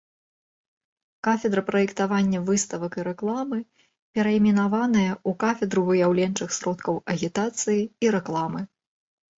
Кафедра праектавання выставак і рэкламы перайменаваная ў кафедру выяўленчых сродкаў агітацыі і рэкламы.